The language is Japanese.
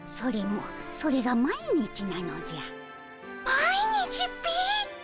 毎日っピ？